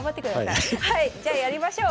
じゃあやりましょう。